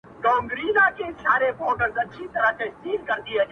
o زه ستا تصوير گورمه پاس سپيني سپوږمۍ كي گراني ـ